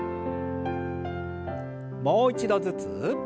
もう一度ずつ。